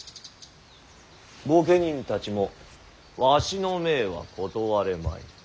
御家人たちもわしの命は断れまい。